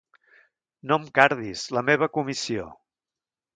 No em cardis, la meva comissió!